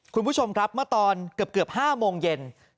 คุณผู้ชมครับเมื่อตอนเกือบ๕โมงเย็น